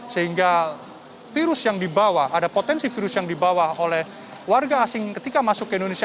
sehingga virus yang dibawa ada potensi virus yang dibawa oleh warga asing ketika masuk ke indonesia